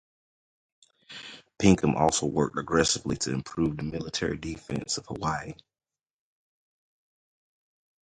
Pinkham also worked aggressively to improve the military defense of Hawaii.